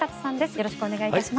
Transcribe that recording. よろしくお願いします。